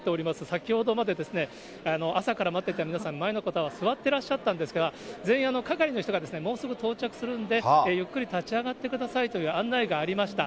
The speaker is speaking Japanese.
先ほどまで朝から待っていた皆さん、前の方は座ってらっしゃったんですが、全員、係の人が、もうすぐ到着するんで、ゆっくり立ち上がってくださいという案内がありました。